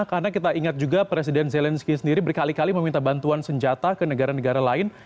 karena kita ingat juga presiden zelensky sendiri berkali kali meminta bantuan senjata ke negara negara lain